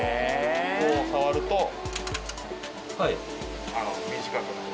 ここを触ると短くなる。